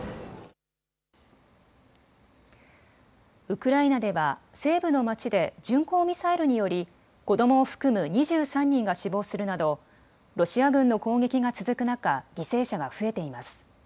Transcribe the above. ウクライナでは西部の町で巡航ミサイルにより子どもを含む２３人が死亡するなどロシア軍の攻撃が続く中、犠牲者が増えています。